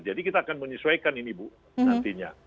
jadi kita akan menyesuaikan ini bu nantinya